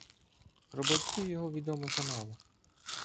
Про батьків його відомо замало.